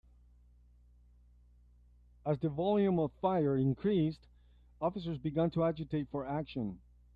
As the volume of fire increased, officers began to agitate for action.